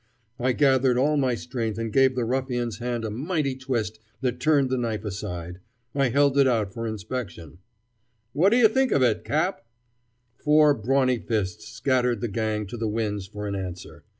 I gathered all my strength and gave the ruffian's hand a mighty twist that turned the knife aside. I held it out for inspection. "What do you think of it, Cap?" Four brawny fists scattered the gang to the winds for an answer.